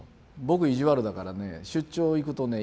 僕意地悪だからね出張行くとね